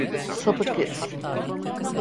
Sapık herif.